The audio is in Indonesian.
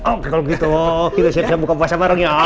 oke kalo gitu kita siap dua buka puasa bareng ya